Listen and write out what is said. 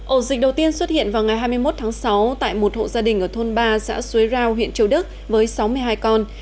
ổ dịch đầu tiên xuất hiện vào ngày hai mươi một tháng sáu tại một hộ gia đình ở thôn ba xã xuế rao huyện châu đức với sáu mươi hai con